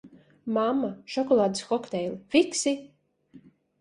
Mamma, šokolādes kokteili, fiksi!